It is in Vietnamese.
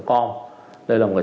đây là một cái trang web